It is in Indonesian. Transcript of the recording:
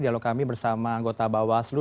dialog kami bersama anggota bawaslu